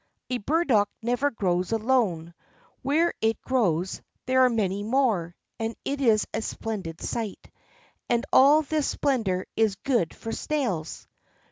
A burdock never grows alone; where it grows, there are many more, and it is a splendid sight; and all this splendor is good for snails.